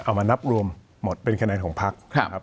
เอามานับรวมหมดเป็นคะแนนของพักนะครับ